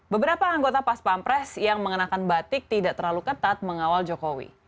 beberapa anggota pas pampres yang mengenakan batik tidak terlalu ketat mengawal jokowi